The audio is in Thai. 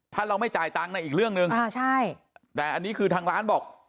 ถ้าเราไม่จ่ายตังค์ในอีกเรื่องหนึ่งแต่อันนี้คือทางร้านบอก